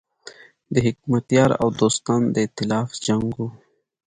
د حکمتیار او دوستم د ایتلاف جنګ و.